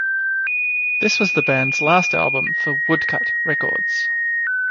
This was the band's last album for Woodcut Records.